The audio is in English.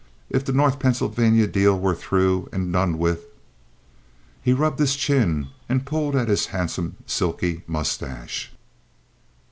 "If this North Pennsylvania deal were through and done with—" He rubbed his chin and pulled at his handsome silky mustache.